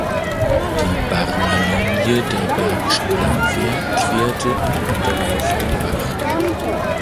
Die Barmer Linie der Bergischen Landwehr querte im Unterlauf den Bach.